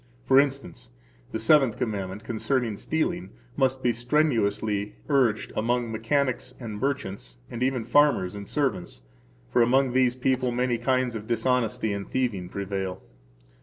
For instance, the Seventh Commandment, concerning stealing, must be strenuously urged among mechanics and merchants, and even farmers and servants, for among these people many kinds of dishonesty and thieving prevail.